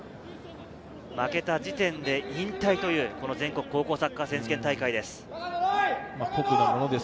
負けた時点で引退という全国高校サッカー選手権大会です。